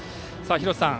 廣瀬さん